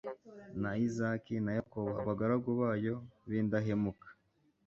na izaki, na yakobo, abagaragu bayo b'indahemuka